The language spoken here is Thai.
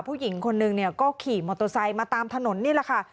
ผู้หญิงคนนึงเนี่ยก็ขี่มอเตอร์ไซค์มาตามถนนนี่แหละค่ะ